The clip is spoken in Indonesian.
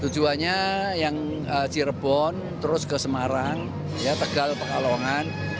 tujuannya yang cirebon terus ke semarang tegal pekalongan